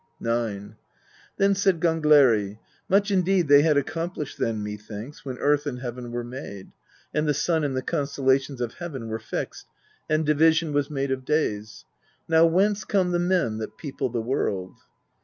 IX. Then said Gangleri: "Much indeed they had accom plished then, methinks, when earth and heaven were made, and the sun and the constellations of heaven were fixed, and division was made of days; now whence come the men that people the world?"